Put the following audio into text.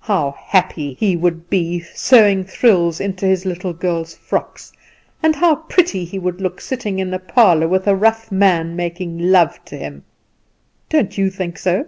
How happy he would be sewing frills into his little girl's frocks, and how pretty he would look sitting in a parlour, with a rough man making love to him! Don't you think so?"